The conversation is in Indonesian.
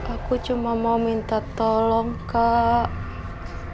aku cuma mau minta tolong kak